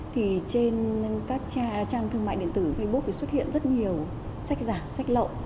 thì trên các trang thương mại điện tử facebook thì xuất hiện rất nhiều sách giả sách lộ